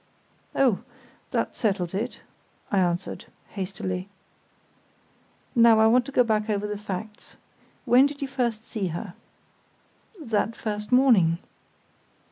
"Oh! that settles it," I answered, hastily. "Now I want to go back over the facts. When did you first see her?" "That first morning."